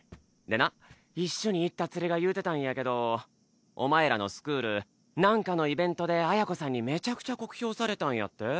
でな一緒に行った連れが言うてたんやけどお前らのスクールなんかのイベントで綾子さんにめちゃくちゃ酷評されたんやって？